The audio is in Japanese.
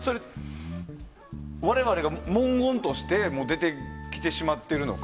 我々が文言として出てきてしまっているのか